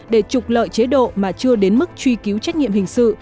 để trục lợi chế độ mà chưa đến mức truy cứu trách nhiệm hình sự